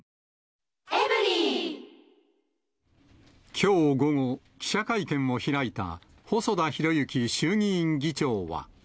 きょう午後、記者会見を開いた細田博之衆議院議長は。